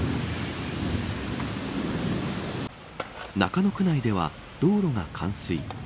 中野区内では道路が冠水。